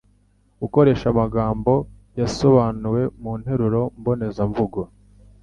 Gukoresha amagambo yasobanuwe mu nteruro mbonezamvugo.